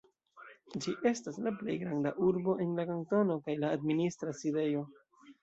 Ĝi estas la plej granda urbo en la kantono, kaj la administra sidejo.